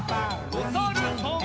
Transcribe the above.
おさるさん。